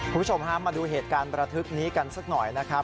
คุณผู้ชมฮะมาดูเหตุการณ์ประทึกนี้กันสักหน่อยนะครับ